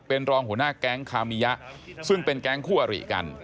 เป็นรองหัวหน้าแก๊งคามียะซึ่งเป็นแก๊งคู่อริกัน